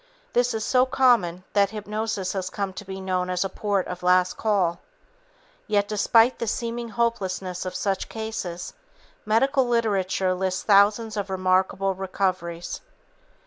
This is so common that hypnosis has come to be known as a port of last call. Yet, despite the seeming hopelessness of such cases, medical literature lists thousands of remarkable recoveries.